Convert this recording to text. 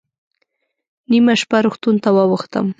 نیمه شپه روغتون ته واوښتم.